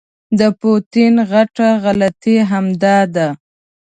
د پوټین غټه غلطي همدا ده.